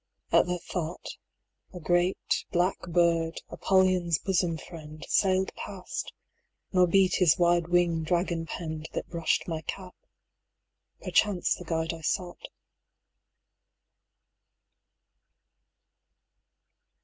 At the thought, A great black bird, Apollyon's bosom friend, 160 Sailed past, nor beat his wide wing dragon penned That brushed my cap perchance the guide I sought.